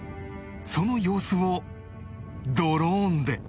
その様子をドローンで